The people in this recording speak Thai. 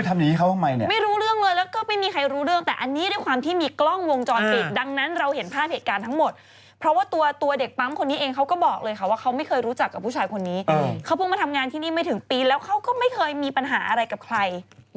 ทำอย่างนี้เขาทำไมเนี่ยไม่รู้เรื่องเลยแล้วก็ไม่มีใครรู้เรื่องแต่อันนี้ด้วยความที่มีกล้องวงจรปิดดังนั้นเราเห็นภาพเหตุการณ์ทั้งหมดเพราะว่าตัวตัวเด็กปั๊มคนนี้เองเขาก็บอกเลยค่ะว่าเขาไม่เคยรู้จักกับผู้ชายคนนี้เขาเพิ่งมาทำงานที่นี่ไม่ถึงปีแล้วเขาก็ไม่เคยมีปัญหาอะไรกับใคร